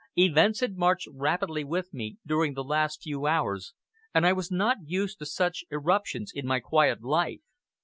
Events had marched rapidly with me during the last few hours and I was not used to such eruptions in my quiet life.